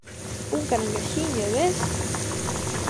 _Un caranguexiño, ¿ves?